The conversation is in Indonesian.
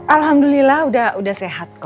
alhamdulillah udah sehat